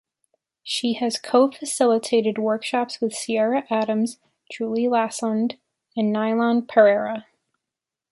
She has co-facilitated workshops with Ciara Adams, Julie Lassonde, and Nilan Perera.